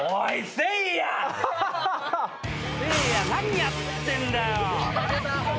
せいや何やってんだよ！